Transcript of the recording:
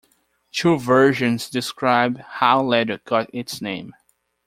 Two versions describe how Leduc got its name.